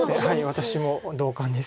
私も同感ですけど。